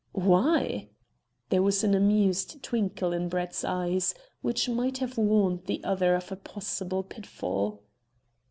"Why?" There was an amused twinkle in Brett's eyes, which might have warned the other of a possible pitfall.